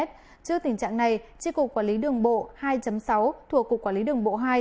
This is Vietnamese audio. trước tình trạng này tri cục quản lý đường bộ hai sáu thuộc cục quản lý đường bộ hai